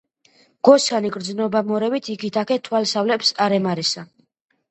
მგოსანი გრძნობამორევით იქით აქეთ თვალს ავლებს არემარესა.